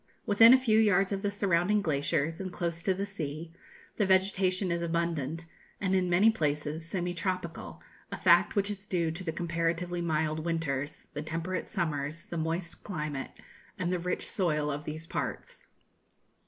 Within a few yards of the surrounding glaciers, and close to the sea, the vegetation is abundant, and in many places semi tropical, a fact which is due to the comparatively mild winters, the temperate summers, the moist climate, and the rich soil of these parts.